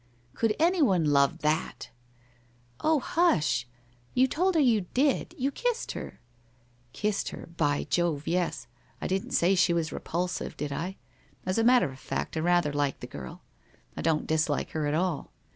' Could anyone love that? '* Oh, hush ! You told her you did— you kissed her.' 1 Kissed her, by Jove, yes. I didn't say she was re pulsive, did I ? As a matter of fact, I rather like the girl. I don't dislike her at all.